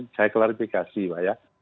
saya klarifikasi pak ya